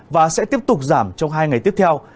và sẽ tiếp tục giảm trong hai ngày tiếp theo